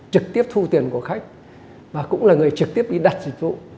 trực tiếp thu tiền của khách và cũng là người trực tiếp đi đặt dịch vụ